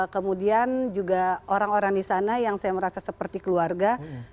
kemudian juga orang orang di sana yang saya merasa seperti keluarga